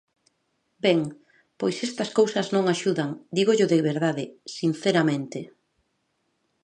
Ben, pois estas cousas non axudan, dígollo de verdade, sinceramente.